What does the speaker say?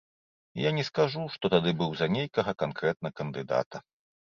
І я не скажу, што тады быў за нейкага канкрэтна кандыдата.